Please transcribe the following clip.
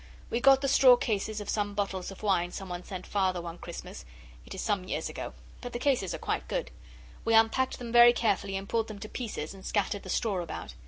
We got the straw cases of some bottles of wine someone sent Father one Christmas it is some years ago, but the cases are quite good. We unpacked them very carefully and pulled them to pieces and scattered the straw about.